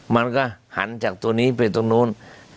มันก็หันจากตัวนี้ไปตรงนู้น